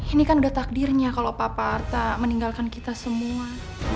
ini kan udah takdirnya kalau papa arta meninggalkan kita semua